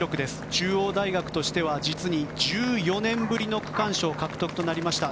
中央大学としては実に１４年ぶりの区間賞獲得となりました。